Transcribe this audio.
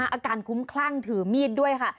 อาการคุ้มคลั่งถือมีดด้วยค่ะ